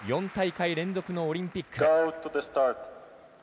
４大会連続のオリンピック。